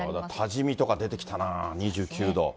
多治見とか出てきたな、２９度。